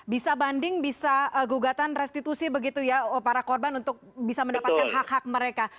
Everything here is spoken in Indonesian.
bisa banding bisa gugatan restitusi begitu ya para korban untuk bisa mendapatkan hak hak mereka